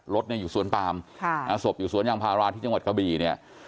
รถเนี่ยอยู่สวนปามศพอยู่สวนยางพาราที่จังหวัดกะบี่เนี่ย